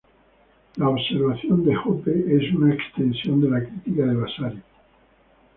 La observación de Hope es una extensión de la crítica de Vasari.